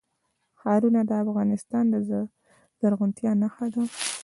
ښارونه د افغانستان د زرغونتیا نښه ده.